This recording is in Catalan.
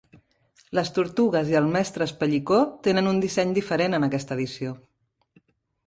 Les Tortugues i el mestre Espellicó tenen un disseny diferent en aquesta edició.